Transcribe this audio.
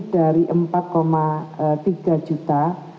dari empat tiga juta